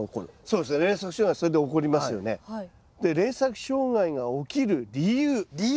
で連作障害がおきる理由。